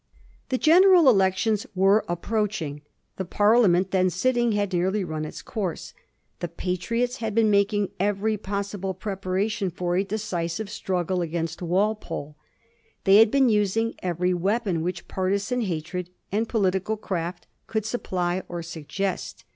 The general elections were approaching ; the Parliament then sitting had nearly run its course. The Patriots had been making every possible preparation for a decisive struggle against Walpole. They had been using every weapon which partisan hatred and political craft could supply or suggest.